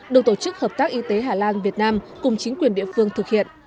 được tổ chức hợp tác y tế hà lan việt nam cùng chính quyền địa phương thực hiện